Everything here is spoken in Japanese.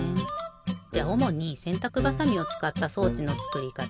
じゃおもにせんたくばさみをつかった装置のつくりかた